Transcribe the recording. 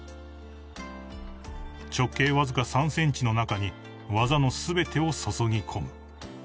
［直径わずか３ｃｍの中に技の全てを注ぎ込む］